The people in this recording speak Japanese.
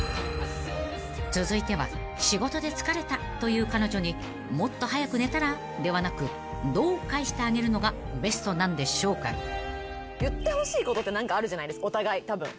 ［続いては「仕事で疲れた」という彼女に「もっと早く寝たら？」ではなくどう返してあげるのがベストなんでしょうか］言ってほしいことって何かあるじゃないですかお互いたぶん。